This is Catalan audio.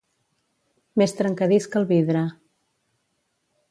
Més trencadís que el vidre.